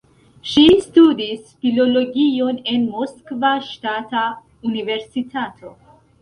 Ŝi studis filologion en Moskva Ŝtata Universitato.